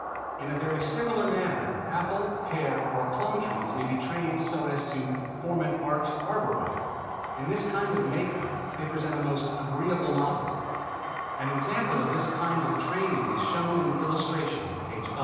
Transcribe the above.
6 PLUMS AS UPRIGHT CORDONS, SET TWO FEET APART] In a very similar manner apple, pear or plum trees may be trained so as to form an arched arbor way. In this kind of make up they present a most agreeable novelty. An example of this kind of training is shown in the illustration, page 5.